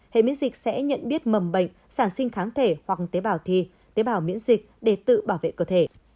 hệ miễn dịch sẽ nhận biết mầm bệnh sản sinh kháng thể hoặc tế bào thi tế bào miễn dịch để tự bảo vệ cơ thể